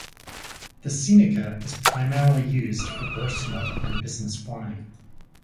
The Seneca is primarily used for personal and business flying.